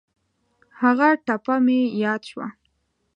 هغه ټپه مې یاد شوه.